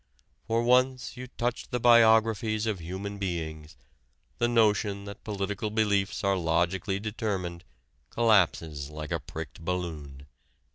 For once you touch the biographies of human beings, the notion that political beliefs are logically determined collapses like a pricked balloon.